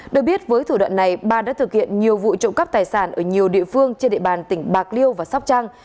được biết với thủ đoạn này ba đã thực hiện nhiều vụ trộm cắp tài sản ở nhiều địa phương trên địa bàn tỉnh bạc liêu và sóc trăng